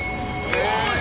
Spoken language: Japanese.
よし！